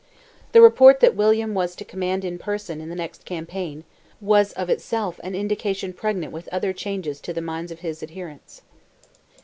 The report that William was to command in person in the next campaign, was, of itself, an indication pregnant with other changes to the minds of his adherents.